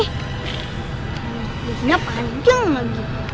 hantunya panjang lagi